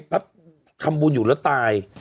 พับคำบูลอยู่แล้วตาย